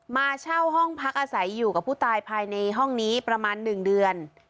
มาเช่าห้องพักอาศัยอยู่กับผู้ตายภายในห้องนี้ประมาณ๑เดือน